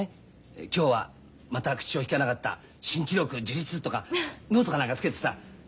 今日はまた口をきかなかった新記録樹立とかノートか何かつけてさね！